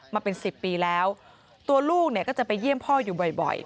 มาเป็นสิบปีแล้วตัวลูกเนี่ยก็จะไปเยี่ยมพ่ออยู่บ่อย